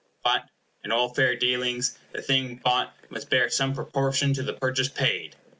But, in all fair dealings, the thing bought must bear some proportion to the purchase paid.